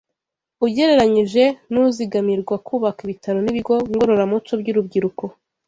ugereranyije n’uzigamirwa kubaka ibitaro n’ibigo ngororamuco by’urubyiruko